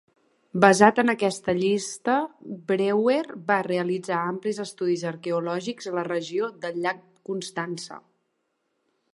Basat en aquesta llista, Breuer va realitzar amplis estudis arqueològics a la regió del llac Constança.